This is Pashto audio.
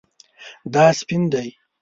دا سپین دی